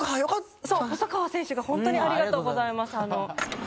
そう細川選手が本当にありがとうございます。